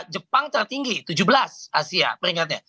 jepang tertinggi tujuh belas asia peringkatnya